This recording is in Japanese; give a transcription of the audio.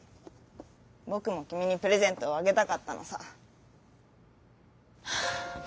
ぼくもきみにプレゼントをあげたかったのさ」。